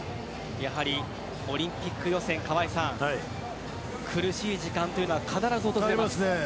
オリンピック予選苦しい時間というのは必ず訪れますね。